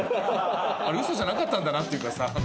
あれウソじゃなかったんだなっていうかさ。